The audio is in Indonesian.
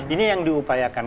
ini yang diupayakan